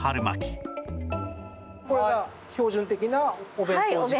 これが標準的なお弁当の時間。